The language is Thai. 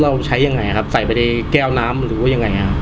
เราใช้ยังไงครับใส่ไปในแก้วน้ำหรือว่ายังไงฮะ